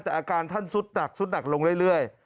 แต่อาการท่านสุดหนักลงเรื่อย